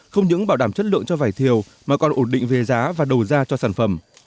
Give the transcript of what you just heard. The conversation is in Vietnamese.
không những bảo đảm chất lượng cho vải thiều mà còn ổn định về giá và đầu ra cho sản phẩm